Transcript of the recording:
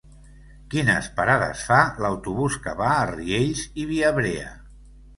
Quines parades fa l'autobús que va a Riells i Viabrea?